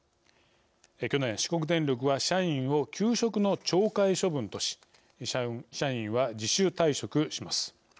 去年、四国電力は社員を休職の懲戒処分とし社員は自主退職します。